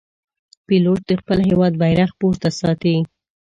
پیلوټ د خپل هېواد بیرغ پورته ساتي.